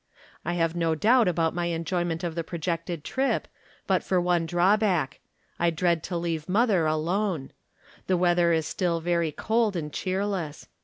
I have no doubt about my enjoyment of the projected trip, but for one drawback — I dread to leave mother alone. The Aveather is still very cold and cheerless.